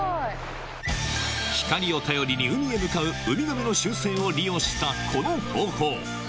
光りを頼りに海へ向かうウミガメの習性を利用したこの方法。